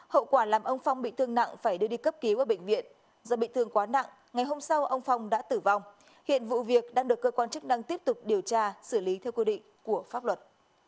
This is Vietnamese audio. hậu quả làm ông phong bị thương nặng phải đưa đi cấp cứu ở bệnh viện do bị thương quá nặng ngày hôm sau ông phong đã tử vong hiện vụ việc đang được cơ quan chức năng tiếp tục điều tra xử lý theo quy định của pháp luật